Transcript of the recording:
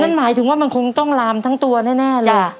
หมายถึงว่ามันคงต้องลามทั้งตัวแน่เลย